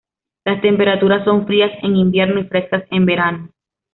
Las temperaturas son frías en invierno y frescas en verano.